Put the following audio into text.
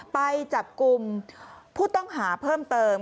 ไปจับกลุ่มผู้ต้องหาเพิ่มเติม